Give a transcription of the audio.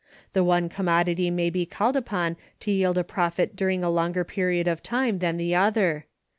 The one commodity may be called upon to yield a profit during a longer period of time than the other.